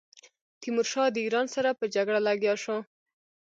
تیمورشاه د ایران سره په جګړه لګیا شو.